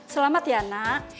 selamat ya nak